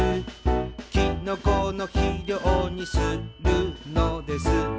「きのこの肥料にするのです」